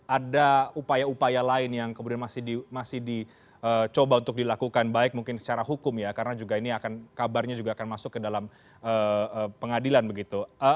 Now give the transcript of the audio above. ada upaya upaya lain yang kemudian masih dicoba untuk dilakukan baik mungkin secara hukum ya karena juga ini akan kabarnya juga akan masuk ke dalam pengadilan begitu